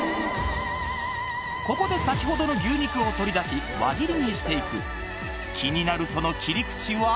ここで先ほどの牛肉を取り出し輪切りにして行く気になるその切り口は？